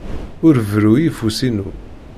Ur berru i ufus-inu.